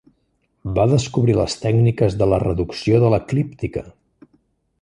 Va descobrir les tècniques de "la reducció de l'eclíptica".